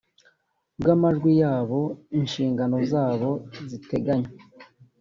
bw amajwi yabo inshingano zabo ziteganywa